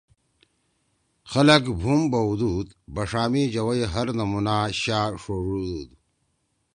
خلگ بُھوم بؤدُود۔ بݜا می جوَئی ہر نمونہ شا ݜوڙُودُود۔